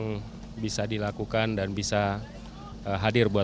terima kasih bapak dan ibu sekalian